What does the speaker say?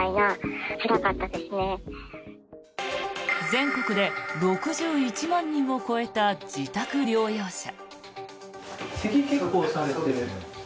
全国で６１万人を超えた自宅療養者。